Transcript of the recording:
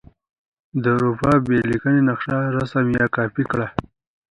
د اروپا بې لیکنې نقشه رسم یا کاپې کړئ.